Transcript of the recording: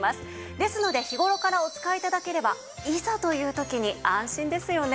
ですので日頃からお使い頂ければいざという時に安心ですよね。